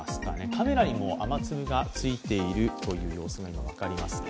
カメラにも雨粒がついている様子が今、分かりますね。